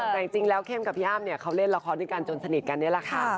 แต่จริงแล้วเข้มกับพี่อ้ำเนี่ยเขาเล่นละครด้วยกันจนสนิทกันนี่แหละค่ะ